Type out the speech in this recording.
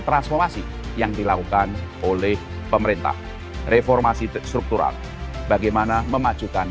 transformasi yang dilakukan oleh pemerintah reformasi struktural bagaimana memajukan